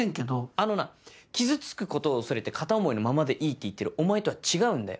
あのな傷つくことを恐れて片思いのままでいいって言ってるお前とは違うんだよ。